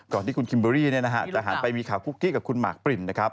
ก่อนที่คุณคิมเบอร์รี่จะหารไปมีข่าวคุกกี้กับคุณมาร์คปริน